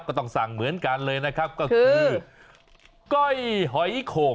ก็ต้องสั่งเหมือนกันเลยนะครับก็คือก้อยหอยโข่ง